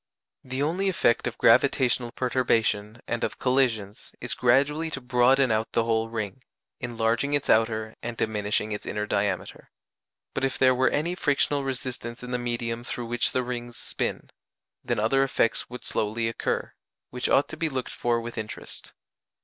The only effect of gravitational perturbation and of collisions is gradually to broaden out the whole ring, enlarging its outer and diminishing its inner diameter. But if there were any frictional resistance in the medium through which the rings spin, then other effects would slowly occur, which ought to be looked for with interest.